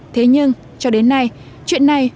thế nhưng cho đến nay chuyện này